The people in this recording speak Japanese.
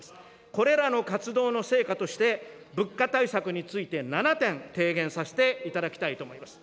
これらの活動の成果として、物価対策について７点提言させていただきたいと思います。